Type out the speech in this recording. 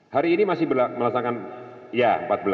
hari ini masih melaksanakan ya empat belas